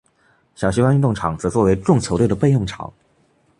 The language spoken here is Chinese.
小西湾运动场则作为众球队的备用场。